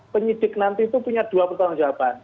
penyidik nanti itu punya dua pertanggung jawaban